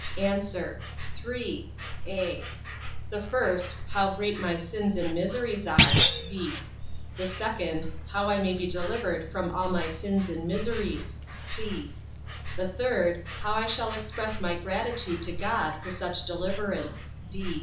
A. Three; (a) the first, how great my sins and miseries are; (b) the second, how I may be delivered from all my sins and miseries; (c) the third, how I shall express my gratitude to God for such deliverance.